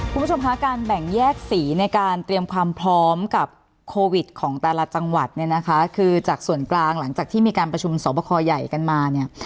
คุณผู้ชมคะการแบ่งแยกสีในการเตรียมความพร้อมกับโควิดของแต่ละจังหวัดเนี่ยนะคะคือจากส่วนกลางหลังจากที่มีการประชุมสอบคอใหญ่กันมาเนี่ย